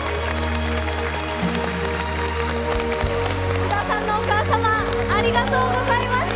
津田さんのお母さまありがとうございました。